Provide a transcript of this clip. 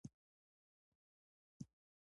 هغه عرض پاڼې ته سترګې نیولې وې.